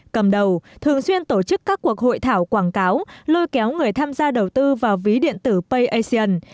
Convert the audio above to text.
cầm đầu thường xuyên tổ chức các cuộc hội thảo quảng cáo lôi kéo người tham gia đầu tư vào ví điện tử payasian